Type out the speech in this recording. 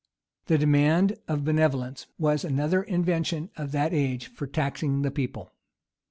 The demand of benevolence was another invention of that age for taxing the people.